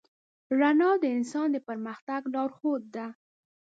رڼا د انسان د پرمختګ لارښود ده.